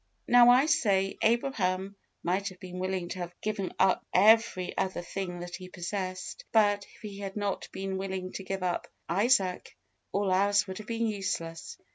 Now, I say, Abraham might have been willing to have given up every other thing that he possessed; but, if he had not been willing to give up Isaac, all else would have been useless.